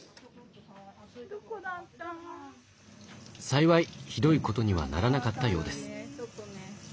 幸いひどいことにはならなかったようです。